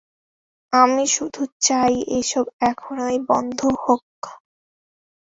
আমি শুধু চাই এসব এখনই বন্ধ হোক।